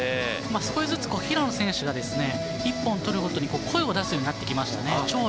少しずつ平野選手が１本取るごとに声を出すようになってきました。